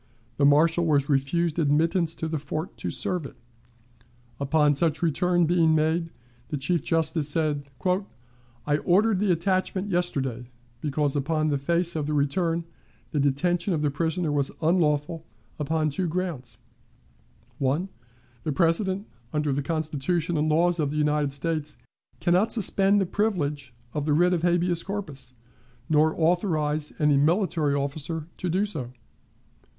The marshal was refused admittance to the fort to serve it. Upon such return being made, the Chief Justice said: "I ordered the attachment yesterday, because upon the face of the return the detention of the prisoner was unlawful upon two grounds: "1. The President, under the Constitution and laws of the United States, can not suspend the privilege of the writ of habeas corpus, nor authorize any military officer to do so.